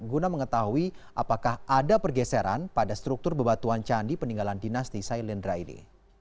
guna mengetahui apakah ada pergeseran pada struktur bebatuan candi peninggalan dinasti sailendra ini